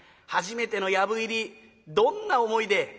初めての藪入りどんな思いで。